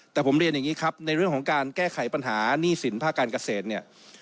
แต่ผมเรียนอย่างนี้ครับในเรื่องของการแก้ไขปัญหาหนี้สินภาคการเกษตรเนี่ย